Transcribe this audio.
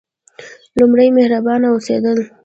لومړی: مهربانه اوسیدل.